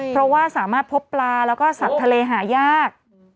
เพราะว่าสามารถพบปลาแล้วก็สัตว์ทะเลหายาก